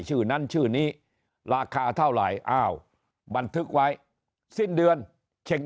ชื่อนั้นชื่อนี้ราคาเท่าไหร่อ้าวบันทึกไว้สิ้นเดือนเช็ง